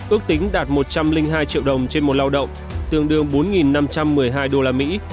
ước tính đạt một trăm linh hai triệu đồng trên một lao động tương đương bốn năm trăm một mươi hai usd